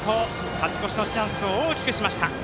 勝ち越しのチャンスを大きくしました。